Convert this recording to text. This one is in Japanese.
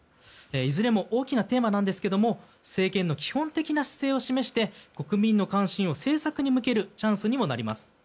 いずれも大きなテーマなんですが政権の基本的な姿勢を示して国民の関心を政策に向けるチャンスにもなります。